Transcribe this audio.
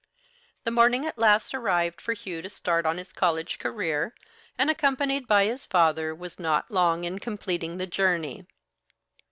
The morning at last arrived for Hugh to start on his college career, and, accompanied by his father, was not long in completing the journey.